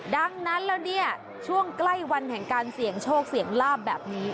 ดังนั้นแล้วเนี่ยช่วงใกล้วันแห่งการเสี่ยงโชคเสี่ยงลาบแบบนี้